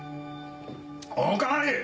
お代わり！